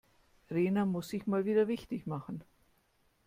Rena muss sich mal wieder wichtig machen.